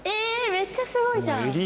めっちゃすごいじゃん！